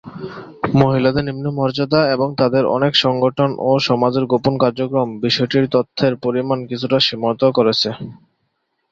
মহিলাদের নিম্ন মর্যাদা এবং তাদের অনেক সংগঠন ও সমাজের গোপন কার্যক্রম, বিষয়টির তথ্যের পরিমাণ কিছুটা সীমিত করেছে।